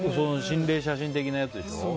心霊写真的なやつでしょ？